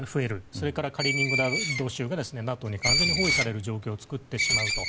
それからカリーニングラード州がＮＡＴＯに完全に包囲される状況を作ってしまうと。